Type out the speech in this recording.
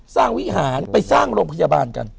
วิหารไปสร้างโรงพยาบาลกัน